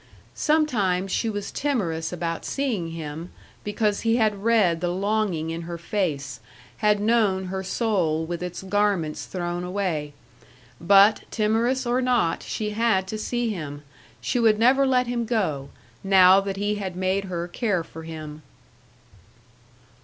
Sometimes she was timorous about seeing him, because he had read the longing in her face, had known her soul with its garments thrown away. But, timorous or not, she had to see him; she would never let him go, now that he had made her care for him.